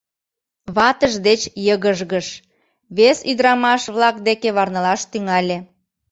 Ватыж деч йыгыжгыш, вес ӱдырамаш-влак деке варнылаш тӱҥале.